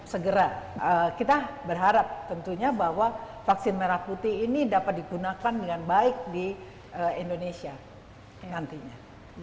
segera kita berharap tentunya bahwa vaksin merah putih ini dapat digunakan dengan baik di indonesia nantinya